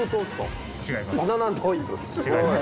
違います。